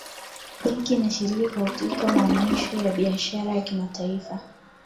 benki inashiriki katika maonesho ya biashara ya kimataifa